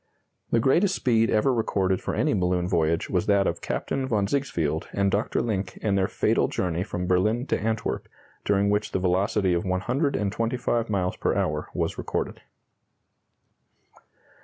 The greatest speed ever recorded for any balloon voyage was that of Captain von Sigsfield and Dr. Linke in their fatal journey from Berlin to Antwerp, during which the velocity of 125 miles per hour was recorded.